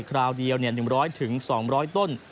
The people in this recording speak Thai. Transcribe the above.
คราวเดียว๑๐๐๒๐๐ต้น